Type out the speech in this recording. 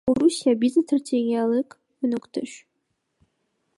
Орусия — биздин стратегиялык өнөктөш.